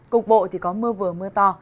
cục bộ thì có mưa vừa mưa to